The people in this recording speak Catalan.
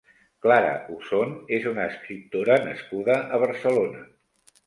Clara Usón és una escriptora nascuda a Barcelona.